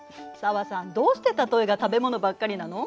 紗和さんどうして例えが食べ物ばっかりなの？